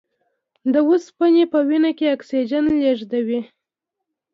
د اوسپنې په وینه کې اکسیجن لېږدوي.